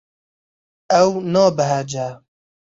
Ew nabehece.